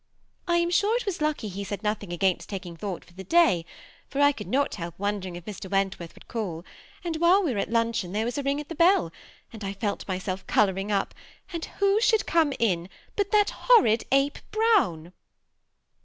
I am sure it was lucky he said nothing against taking thought for the day, for I could not help won dering if Mr. Wentworth would call; and while we were at luncheon there was a ring at the bell, and I felt myself coloring up, and who should come in but that horrid Ape Brown."